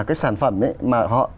cái sản phẩm mà họ